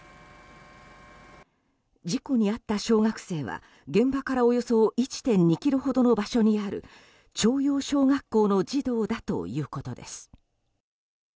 事故に遭った小学生は現場からおよそ１．２ｋｍほどの場所にある朝陽小学校の児童だということです。